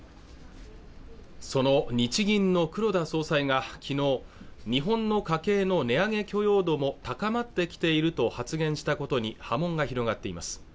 その日銀の黒田総裁がきのう日本の家計の値上げ許容度も高まってきていると発言したことに波紋が広がっています